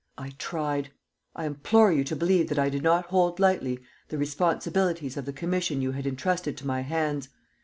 _ I tried. I implore you to believe that I did not hold lightly the responsibilities of the commission you had intrusted to my hands.